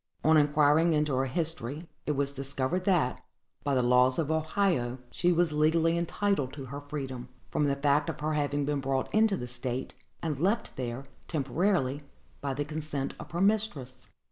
On inquiring into her history, it was discovered that, by the laws of Ohio, she was legally entitled to her freedom, from the fact of her having been brought into the state, and left there, temporarily, by the consent of her mistress.